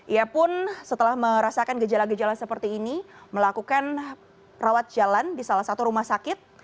ia pun setelah merasakan gejala gejala seperti ini melakukan rawat jalan di salah satu rumah sakit